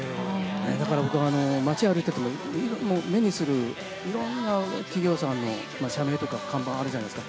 だから僕、街歩いてても、目にするいろんな企業さんの社名とか看板、あるじゃないですか。